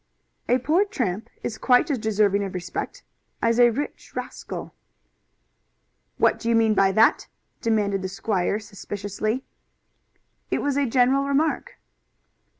"A poor tramp is quite as deserving of respect as a rich rascal." "What do you mean by that?" demanded the squire suspiciously. "It was a general remark."